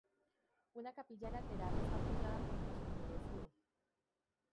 Una capilla lateral está apoyada contra su muro sur.